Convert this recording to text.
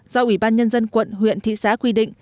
do ủy ban nhân dân quận huyện thị xã quy định